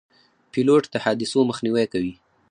پیلوټ د حادثو مخنیوی کوي.